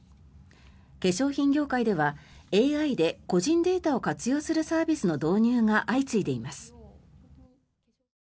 化粧品業界ではＡＩで個人データを活用するサービスの導入が相次いでいます。